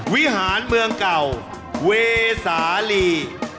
วิหารเมืองเก่าเวสาลี